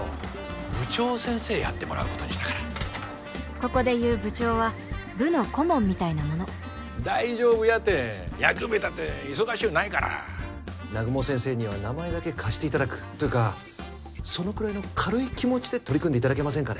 部長先生やってもらうことにしたからここで言う「部長」は部の顧問みたいなもの大丈夫やて野球部いうたって忙しゅうないから南雲先生には名前だけ貸していただくというかそのくらいの軽い気持ちで取り組んでいただけませんかね